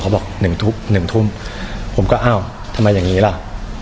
เขาบอก๑ธุ้บ๑ทุ่มผมก็ว้าวทำไมอย่างนี้ไร